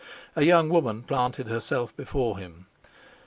A young woman planted herself before him.